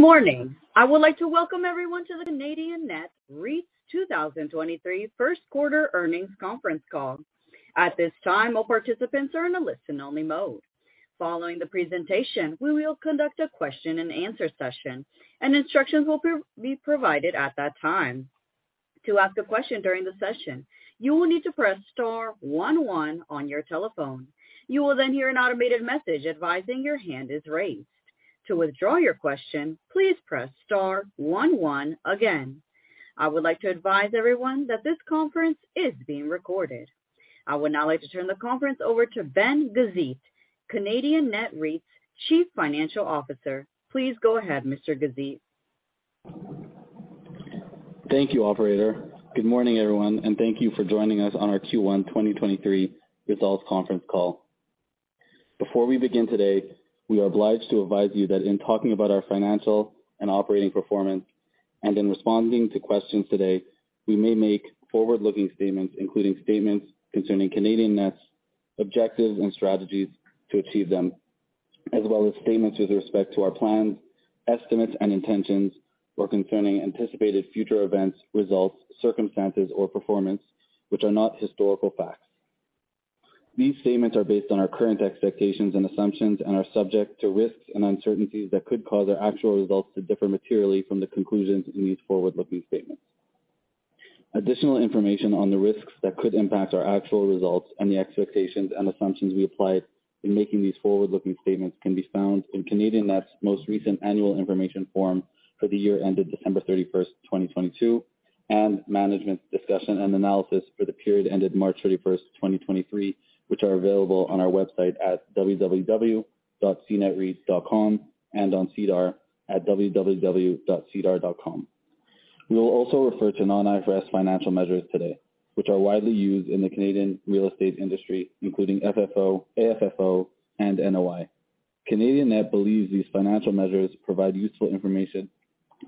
Good morning. I would like to welcome everyone to the Canadian Net REIT's 2023 first quarter earnings conference call. At this time, all participants are in a listen-only mode. Following the presentation, we will conduct a question-and-answer session, instructions will be provided at that time. To ask a question during the session, you will need to press star one one on your telephone. You will hear an automated message advising your hand is raised. To withdraw your question, please press star one one again. I would like to advise everyone that this conference is being recorded. I would now like to turn the conference over to Ben Gazith, Canadian Net REIT's Chief Financial Officer. Please go ahead, Mr. Gazith. Thank you, operator. Good morning, everyone, and thank you for joining us on our Q1, 2023 results conference call. Before we begin today, we are obliged to advise you that in talking about our financial and operating performance and in responding to questions today, we may make forward-looking statements, including statements concerning Canadian Net's objectives and strategies to achieve them, as well as statements with respect to our plans, estimates, and intentions, or concerning anticipated future events, results, circumstances, or performance, which are not historical facts. These statements are based on our current expectations and assumptions and are subject to risks and uncertainties that could cause our actual results to differ materially from the conclusions in these forward-looking statements. Additional information on the risks that could impact our actual results and the expectations and assumptions we applied in making these forward-looking statements can be found in Canadian Net's most recent Annual Information Form for the year ended December 31, 2022, and Management's Discussion and Analysis for the period ended March 31, 2023, which are available on our website at www.cnetreit.com and on SEDAR at www.sedar.com. We will also refer to non-IFRS financial measures today, which are widely used in the Canadian real estate industry, including FFO, AFFO, and NOI. Canadian Net believes these financial measures provide useful information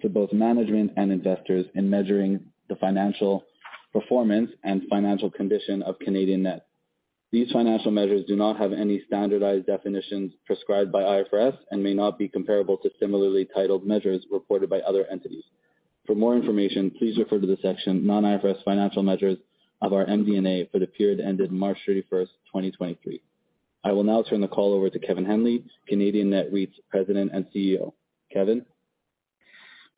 to both management and investors in measuring the financial performance and financial condition of Canadian Net. These financial measures do not have any standardized definitions prescribed by IFRS and may not be comparable to similarly titled measures reported by other entities. For more information, please refer to the section Non-IFRS Financial Measures of our MD&A for the period ended March 31st, 2023. I will now turn the call over to Kevin Henley, Canadian Net REIT's President and CEO. Kevin?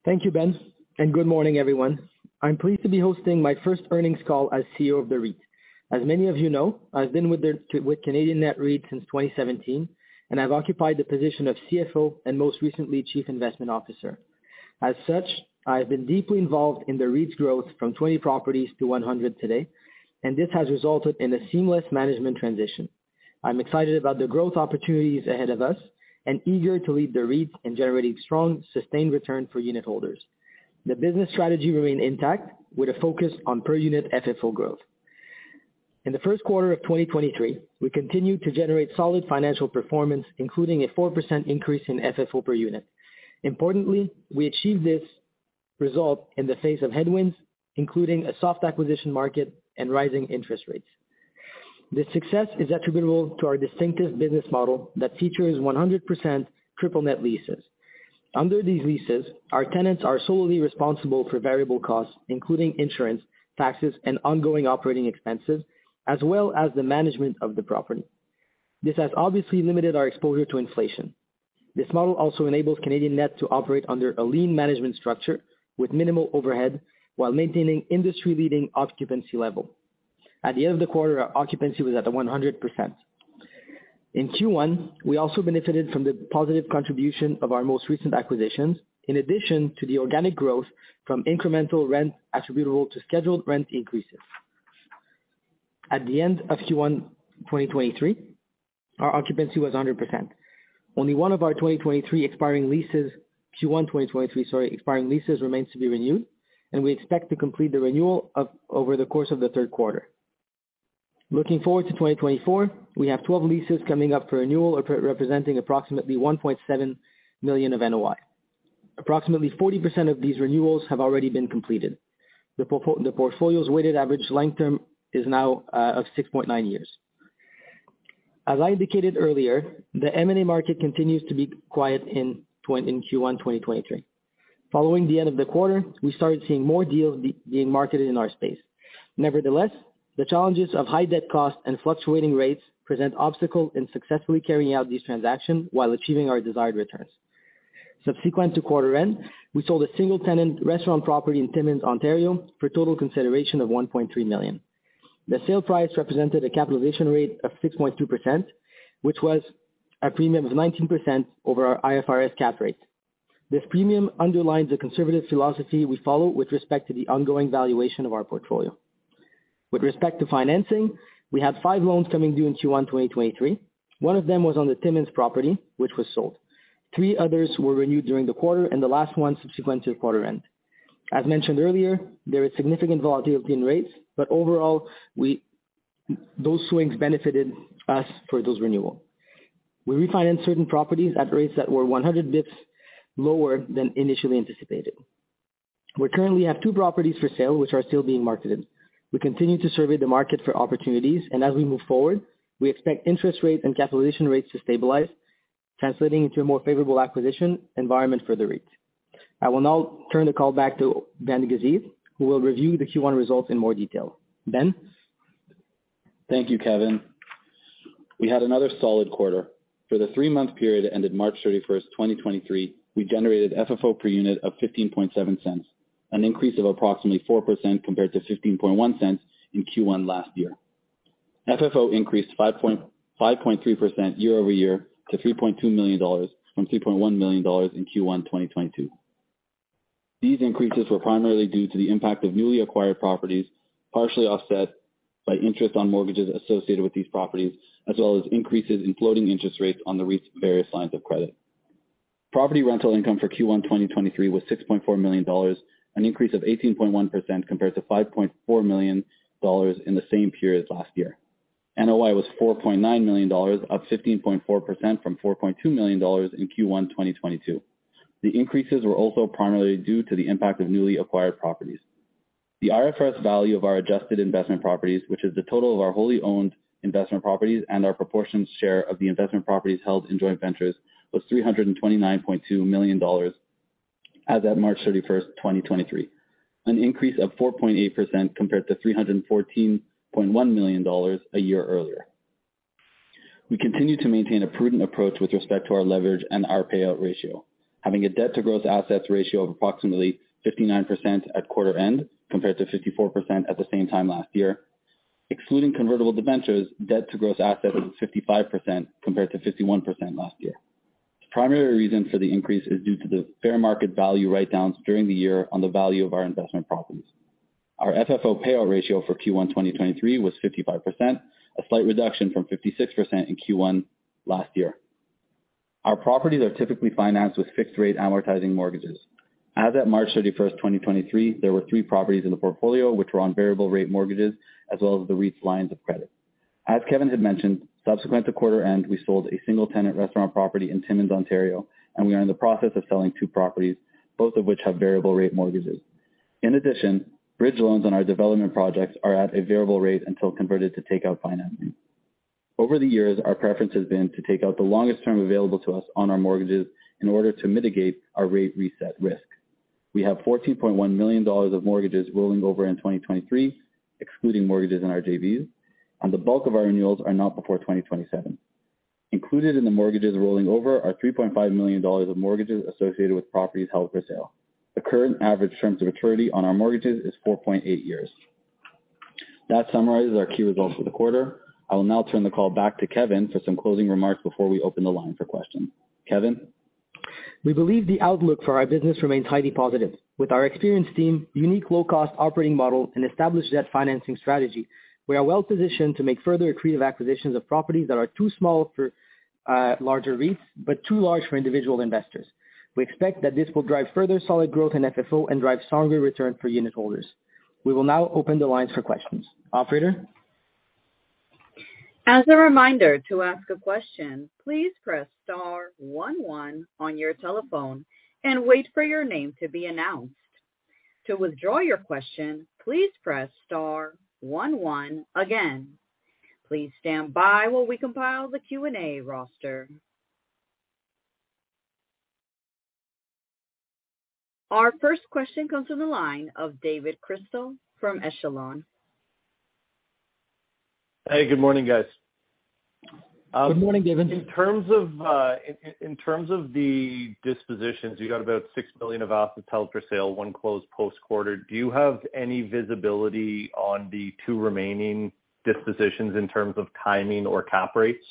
Thank you, Ben, and good morning, everyone. I'm pleased to be hosting my first earnings call as CEO of the REIT. As many of you know, I've been with Canadian Net REIT since 2017, and I've occupied the position of CFO and most recently, Chief Investment Officer. As such, I've been deeply involved in the REIT's growth from 20 properties to 100 today, and this has resulted in a seamless management transition. I'm excited about the growth opportunities ahead of us and eager to lead the REIT in generating strong, sustained return for unitholders. The business strategy remains intact with a focus on per-unit FFO growth. In the first quarter of 2023, we continued to generate solid financial performance, including a 4% increase in FFO per unit. Importantly, we achieved this result in the face of headwinds, including a soft acquisition market and rising interest rates. This success is attributable to our distinctive business model that features 100% triple net leases. Under these leases, our tenants are solely responsible for variable costs, including insurance, taxes, and ongoing operating expenses, as well as the management of the property. This has obviously limited our exposure to inflation. This model also enables Canadian Net to operate under a lean management structure with minimal overhead while maintaining industry-leading occupancy level. At the end of the quarter, our occupancy was at 100%. In Q1, we also benefited from the positive contribution of our most recent acquisitions, in addition to the organic growth from incremental rent attributable to scheduled rent increases. At the end of Q1 2023, our occupancy was 100%. Only one of our 2023 expiring leases... Q1 2023, sorry, expiring leases remains to be renewed, and we expect to complete the renewal of, over the course of the third quarter. Looking forward to 2024, we have 12 leases coming up for renewal, representing approximately 1.7 million of NOI. Approximately 40% of these renewals have already been completed. The portfolio's weighted average length term is now 6.9 years. As I indicated earlier, the M&A market continues to be quiet in Q1 2023. Following the end of the quarter, we started seeing more deals being marketed in our space. Nevertheless, the challenges of high debt costs and fluctuating rates present obstacles in successfully carrying out these transactions while achieving our desired returns. Subsequent to quarter end, we sold a single-tenant restaurant property in Timmins, Ontario, for a total consideration of 1.3 million. The sale price represented a capitalization rate of 6.2%, which was a premium of 19% over our IFRS cap rate. This premium underlines the conservative philosophy we follow with respect to the ongoing valuation of our portfolio. With respect to financing, we had 5 loans coming due in Q1, 2023. 1 of them was on the Timmins property, which was sold. 3 others were renewed during the quarter, and the last 1 subsequent to the quarter end. As mentioned earlier, there is significant volatility in rates, but overall, those swings benefited us for those renewals. We refinanced certain properties at rates that were 100 bps lower than initially anticipated. We currently have 2 properties for sale, which are still being marketed. We continue to survey the market for opportunities, and as we move forward, we expect interest rates and capitalization rates to stabilize, translating into a more favorable acquisition environment for the REIT. I will now turn the call back to Ben Gazith, who will review the Q1 results in more detail. Ben? Thank you, Kevin. We had another solid quarter. For the 3-month period that ended March 31st, 2023, we generated FFO per unit of 0.157, an increase of approximately 4% compared to 0.161 in Q1 last year. FFO increased 5.3% year-over-year to 3.2 million dollars from 3.1 million dollars in Q1, 2022. These increases were primarily due to the impact of newly acquired properties, partially offset by interest on mortgages associated with these properties, as well as increases in floating interest rates on the REIT's various lines of credit. Property rental income for Q1, 2023, was 6.4 million dollars, an increase of 18.1% compared to 5.4 million dollars in the same period last year. NOI was 4.9 million dollars, up 15.4% from 4.2 million dollars in Q1 2022. The increases were also primarily due to the impact of newly acquired properties. The IFRS value of our adjusted investment properties, which is the total of our wholly owned investment properties and our proportion share of the investment properties held in joint ventures, was 329.2 million dollars as of March 31, 2023, an increase of 4.8% compared to 314.1 million dollars a year earlier. We continue to maintain a prudent approach with respect to our leverage and our payout ratio, having a debt-to-gross-assets ratio of approximately 59% at quarter end, compared to 54% at the same time last year. Excluding convertible debentures, debt to gross assets was 55%, compared to 51% last year. The primary reason for the increase is due to the fair market value write-downs during the year on the value of our investment properties. Our FFO payout ratio for Q1 2023 was 55%, a slight reduction from 56% in Q1 last year. Our properties are typically financed with fixed-rate amortizing mortgages. As of March 31, 2023, there were 3 properties in the portfolio, which were on variable rate mortgages, as well as the REIT's lines of credit. As Kevin had mentioned, subsequent to quarter end, we sold a single tenant restaurant property in Timmins, Ontario, and we are in the process of selling 2 properties, both of which have variable rate mortgages. In addition, bridge loans on our development projects are at a variable rate until converted to takeout financing. Over the years, our preference has been to take out the longest term available to us on our mortgages in order to mitigate our rate reset risk. We have 14.1 million dollars of mortgages rolling over in 2023, excluding mortgages in our JVs. The bulk of our renewals are not before 2027. Included in the mortgages rolling over are 3.5 million dollars of mortgages associated with properties held for sale. The current average terms of maturity on our mortgages is 4.8 years. That summarizes our key results for the quarter. I will now turn the call back to Kevin for some closing remarks before we open the line for questions. Kevin? We believe the outlook for our business remains highly positive. With our experienced team, unique low-cost operating model, and established debt financing strategy, we are well positioned to make further accretive acquisitions of properties that are too small for larger REITs, but too large for individual investors. We expect that this will drive further solid growth in FFO and drive stronger returns for unit holders. We will now open the lines for questions. Operator? As a reminder, to ask a question, please press star one one on your telephone and wait for your name to be announced. To withdraw your question, please press star one one again. Please stand by while we compile the Q&A roster. Our first question comes from the line of David Crystal from Echelon. Hey, good morning, guys. Good morning, David. In terms of the dispositions, you got about 6 billion of assets held for sale, one closed post-quarter. Do you have any visibility on the two remaining dispositions in terms of timing or cap rates?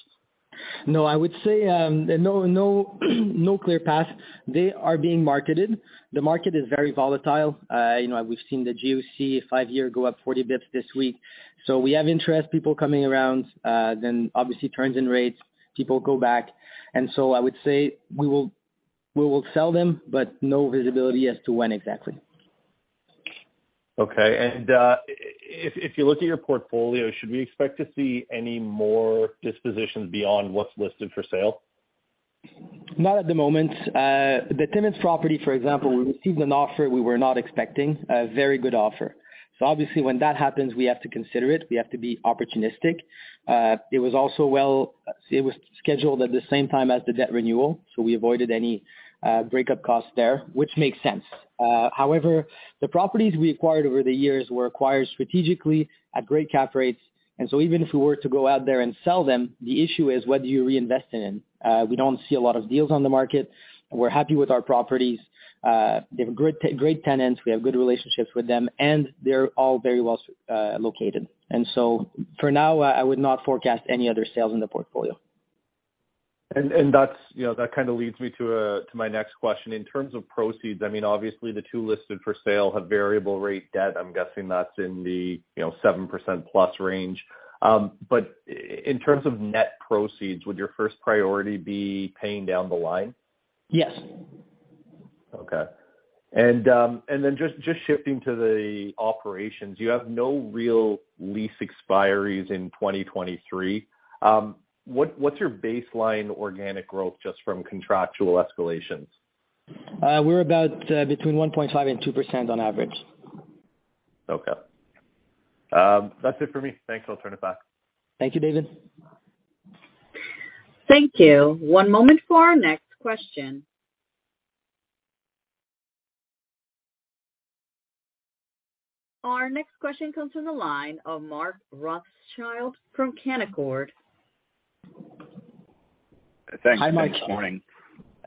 No, I would say, no, no clear path. They are being marketed. The market is very volatile. You know, we've seen the GOC five-year go up 40 bips this week. We have interest, people coming around, obviously turns in rates, people go back. I would say we will sell them, but no visibility as to when exactly. Okay. If you look at your portfolio, should we expect to see any more dispositions beyond what's listed for sale? Not at the moment. The tenants property, for example, we received an offer we were not expecting, a very good offer. Obviously, when that happens, we have to consider it, we have to be opportunistic. It was also scheduled at the same time as the debt renewal, so we avoided any breakup costs there, which makes sense. However, the properties we acquired over the years were acquired strategically at great cap rates. Even if we were to go out there and sell them, the issue is: What do you reinvest in them? We don't see a lot of deals on the market. We're happy with our properties. They have great tenants, we have good relationships with them, and they're all very well located. For now, I would not forecast any other sales in the portfolio. That's, you know, that kind of leads me to my next question? In terms of proceeds, I mean, obviously the two listed for sale have variable rate debt. I'm guessing that's in the, you know, 7% plus range. In terms of net proceeds, would your first priority be paying down the line? Yes. Okay. Then just shifting to the operations, you have no real lease expiries in 2023. What's your baseline organic growth just from contractual escalations? We're about, between 1.5% and 2% on average. Okay. That's it for me. Thanks. I'll turn it back. Thank you, David. Thank you. One moment for our next question. Our next question comes from the line of Mark Rothschild from Canaccord. Hi, Mark. Thanks, good morning.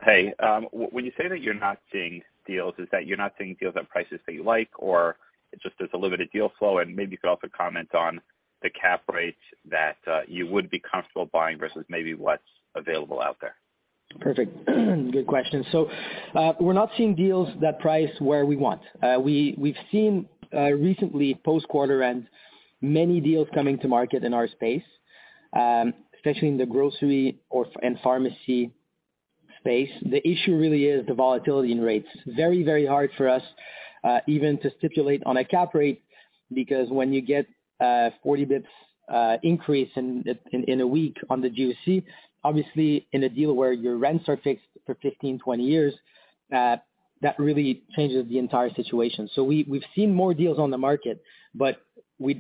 Hey, when you say that you're not seeing deals, is that you're not seeing deals at prices that you like, or it's just there's a limited deal flow? Maybe you could also comment on the cap rates that you would be comfortable buying versus maybe what's available out there? Perfect. Good question. We're not seeing deals that price where we want. We've seen recently post-quarter and many deals coming to market in our space, especially in the grocery or, and pharmacy space. The issue really is the volatility in rates. Very, very hard for us, even to stipulate on a cap rate, because when you get 40 bips increase in a week on the GOC, obviously in a deal where your rents are fixed for 15, 20 years, that really changes the entire situation. We've seen more deals on the market, but we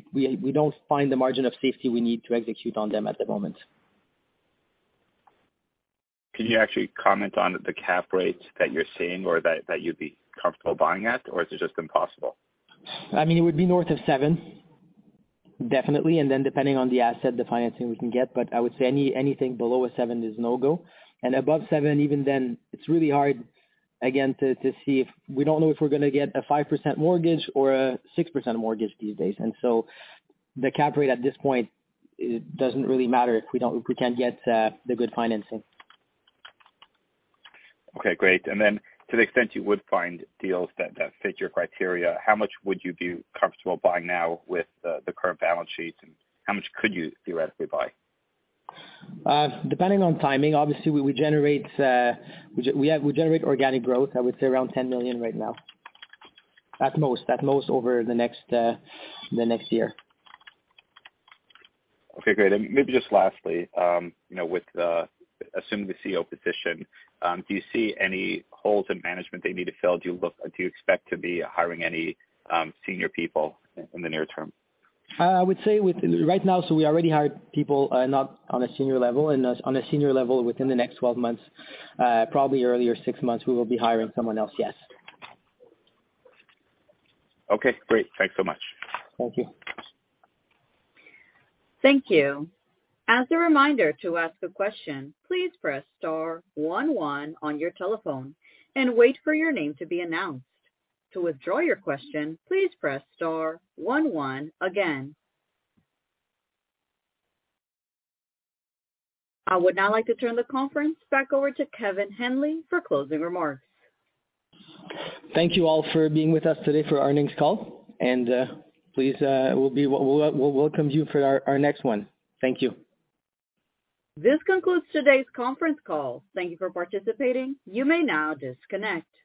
don't find the margin of safety we need to execute on them at the moment. Can you actually comment on the cap rates that you're seeing or that you'd be comfortable buying at, or is it just impossible? I mean, it would be north of 7%, definitely, and then depending on the asset, the financing we can get. I would say anything below a 7% is no-go. Above 7%, even then, it's really hard, again, to see if. We don't know if we're gonna get a 5% mortgage or a 6% mortgage these days. The cap rate at this point, it doesn't really matter if we don't, if we can't get the good financing. Okay, great. To the extent you would find deals that fit your criteria, how much would you be comfortable buying now with the current balance sheets, and how much could you theoretically buy? Depending on timing, obviously, we would generate, we generate organic growth, I would say around 10 million right now, at most over the next, the next year. Okay, great. Maybe just lastly, you know, with, assuming the CEO position, do you see any holes in management that need to be filled? Do you expect to be hiring any senior people in the near term? I would say Right now, so we already hired people, not on a senior level, and on a senior level, within the next 12 months, probably earlier, 6 months, we will be hiring someone else, yes. Okay, great. Thanks so much. Thank you. Thank you. As a reminder, to ask a question, please press star one one on your telephone and wait for your name to be announced. To withdraw your question, please press star one one again. I would now like to turn the conference back over to Kevin Henley for closing remarks. Thank you all for being with us today for our earnings call, and please, we'll welcome you for our next one. Thank you. This concludes today's conference call. Thank you for participating. You may now disconnect.